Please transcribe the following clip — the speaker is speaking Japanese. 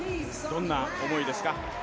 どんな思いですか。